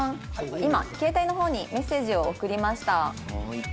今携帯の方にメッセージを送りました」